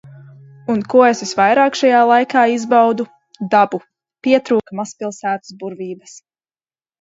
Un ko es visvairāk šajā laikā izbaudu? Dabu. Pietrūka mazpilsētas burvības.